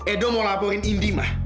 edo mau laporin indi mah